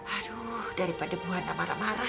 aduh daripada bu hana marah marah